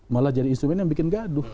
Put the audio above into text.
malah jadi instrumen yang bikin gaduh